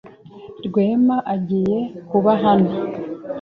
Rwema agiye kuba hano?